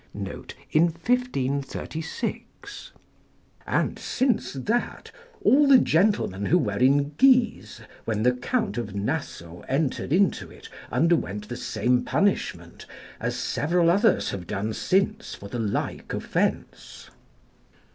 [In 1536] And, since that, all the gentlemen who were in Guise when the Count of Nassau entered into it, underwent the same punishment, as several others have done since for the like offence.